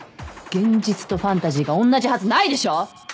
現実とファンタジーが同じはずないでしょう！